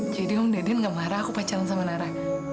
jadi om deden nggak marah aku pacaran sama nara